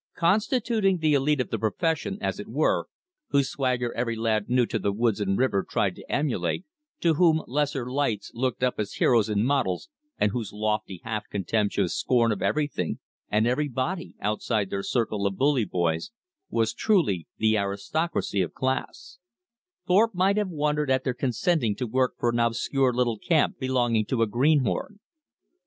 Constituting the elite of the profession, as it were, whose swagger every lad new to the woods and river tried to emulate, to whom lesser lights looked up as heroes and models, and whose lofty, half contemptuous scorn of everything and everybody outside their circle of "bully boys" was truly the aristocracy of class, Thorpe might have wondered at their consenting to work for an obscure little camp belonging to a greenhorn.